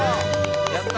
やった！